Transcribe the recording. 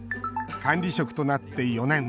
管理職となって４年。